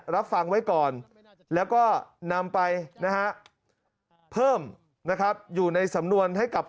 รับฟังไว้ก่อนแล้วก็นำไปนะฮะเพิ่มนะครับอยู่ในสำนวนให้กับ